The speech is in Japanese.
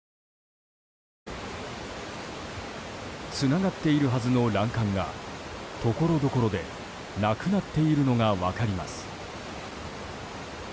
つながっているはずの欄干がところどころでなくなっているのが分かります。